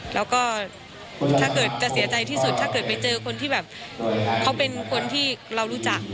แล้วก็ถ้าเกิดจะเสียใจที่สุดถ้าเกิดไปเจอคนที่แบบเขาเป็นคนที่เรารู้จัก